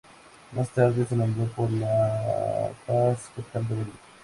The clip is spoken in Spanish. Más tarde, se nombró por La Paz, capital de Bolivia.